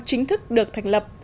chính thức được thành lập